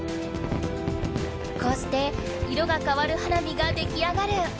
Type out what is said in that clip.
こうして色が変わる花火が出来上がる。